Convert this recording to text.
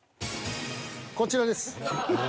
こちらです。